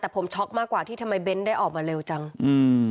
แต่ผมช็อกมากกว่าที่ทำไมเบ้นได้ออกมาเร็วจังอืม